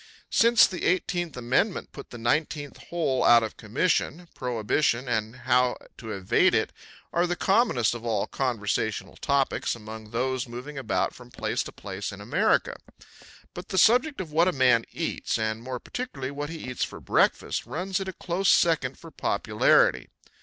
Since the Eighteenth Amendment put the nineteenth hole out of commission, prohibition and how to evade it are the commonest of all conversational topics among those moving about from place to place in America; but the subject of what a man eats, and more particularly what he eats for breakfast, runs it a close second for popularity.